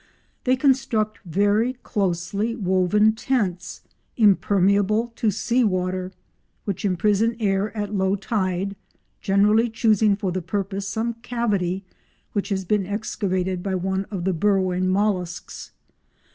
They construct very closely woven tents, impermeable to sea water, which imprison air at low tide, generally choosing for the purpose some cavity which has been excavated by one of the burrowing molluscs.